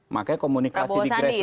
makanya komunikasi di grassroots